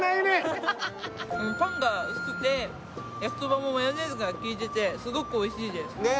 パンが薄くてやきそばもマヨネーズが効いててすごくおいしいですね